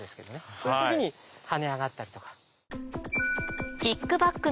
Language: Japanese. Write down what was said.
そういう時にはね上がったりとか。